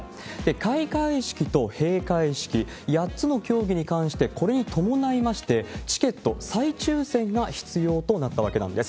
開会式と閉会式、８つの競技に関して、これに伴いまして、チケット、再抽せんが必要となったわけなんです。